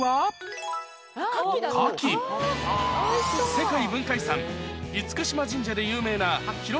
世界文化遺産嚴島神社で有名な